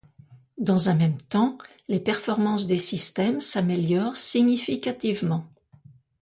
Dans un même temps les performances des systèmes s’améliorent significativement.